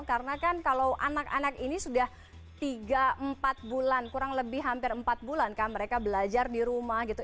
karena kan kalau anak anak ini sudah tiga empat bulan kurang lebih hampir empat bulan kan mereka belajar di rumah gitu